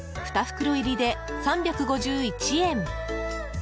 ２袋入りで、３５１円。